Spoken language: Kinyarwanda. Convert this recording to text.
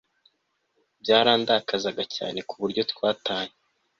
byarandakazaga cyane kuburyo twatanye